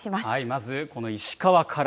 まず、この石川から。